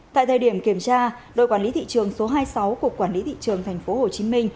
tại thời điểm kiểm tra đội quản lý thị trường số hai mươi sáu của quản lý thị trường tp hcm